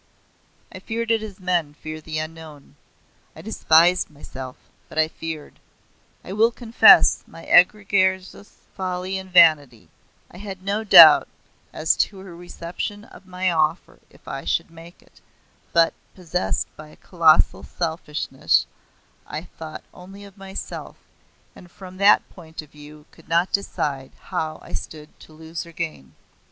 I feared it as men fear the unknown. I despised myself but I feared. I will confess my egregious folly and vanity I had no doubt as to her reception of my offer if I should make it, but possessed by a colossal selfishness, I thought only of myself, and from that point of view could not decide how I stood to lose or gain.